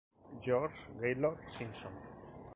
George Gaylord Simpson.